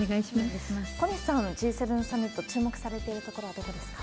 小西さん、Ｇ７サミット、注目されているところはどこですか。